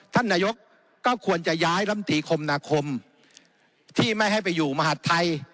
ท่านนายกก็ควรจะย้ายลำตีคมนาคมที่ไม่ให้ไปอยู่มหาดไทย